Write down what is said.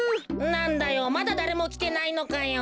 なんだよまだだれもきてないのかよ。